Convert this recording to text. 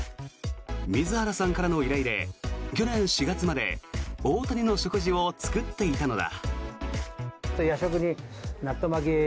水原さんからの依頼で去年４月まで大谷の食事を作っていたのだ。